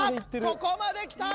ここまで来た！